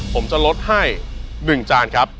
ผมจะลดให้หนึ่งจานครับ